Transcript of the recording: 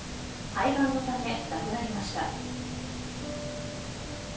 肺がんのため亡くなりました。